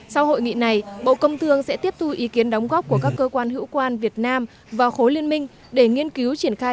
sau hội nghị này bộ công thương sẽ tiếp thu ý kiến đóng góp của các cơ quan hữu quan việt nam và khối liên minh để nghiên cứu triển khai